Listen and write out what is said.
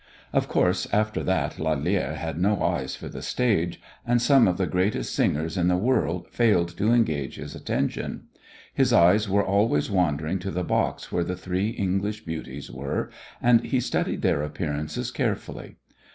Of course after that Lalère had no eyes for the stage, and some of the greatest singers in the world failed to engage his attention. His eyes were always wandering to the box where the three English beauties were, and he studied their appearances carefully.